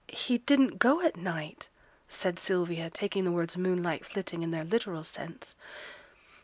'He didn't go at night,' said Sylvia, taking the words 'moonlight flitting' in their literal sense.